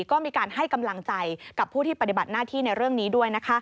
ก็มีการให้กำลังใจกับผู้ที่ปฏิบัติหน้าที่ในเรื่องนี้ด้วย